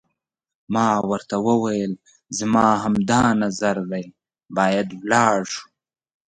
ما ورته وویل: زما هم همدا نظر دی، باید ولاړ شو.